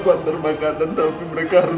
kantor makanan tapi mereka harus